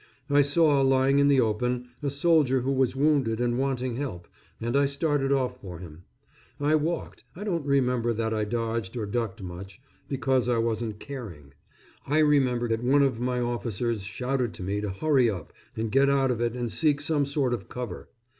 I saw, lying in the open, a soldier who was wounded and wanted help, and I started off for him. I walked I don't remember that I dodged or ducked much, because I wasn't caring. I remember that one of my officers shouted to me to hurry up and get out of it and seek some sort of cover.